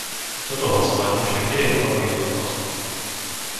Toto hlasovanie však nie je iba o jednotnosti.